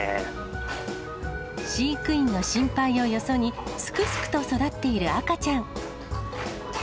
飼育員の心配をよそに、すくすくと育っている赤ちゃん。